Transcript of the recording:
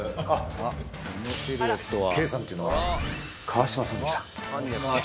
Ｋさんというのは川島さんでした。